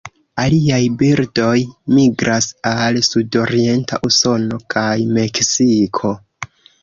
Aliaj birdoj migras al sudorienta Usono kaj Meksiko.